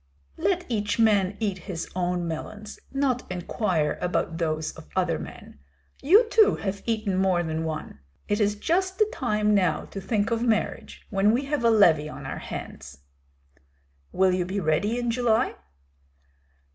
"Let each man eat his own melons, not inquire about those of other men. You too have eaten more than one. It is just the time now to think of marriage when we have a levy on our hands!" "Will you be ready in July?"